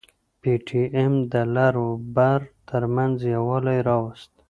پي ټي ايم د لر او بر ترمنځ يووالي راوست.